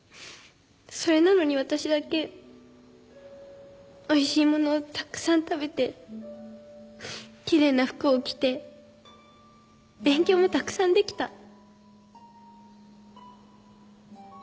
それなのに私だけおいしいものをたくさん食べて奇麗な服を着て勉強もたくさんできた。